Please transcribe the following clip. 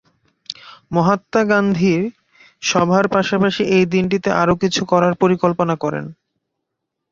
মহাত্মা গান্ধী সভার পাশাপাশি এই দিনটিতে আরও কিছু করার পরিকল্পনা করেন।